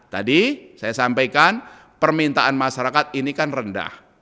tadi saya sampaikan permintaan masyarakat ini kan rendah